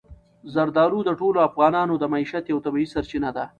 زردالو د ټولو افغانانو د معیشت یوه طبیعي سرچینه ده.